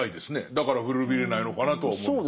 だから古びれないのかなとは思いますね。